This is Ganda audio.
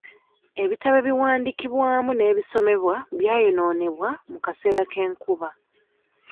Ebitabo ebiwandiikibwamu n'ebisomebwa byayonoonebwa mu kaseera k'enkuba.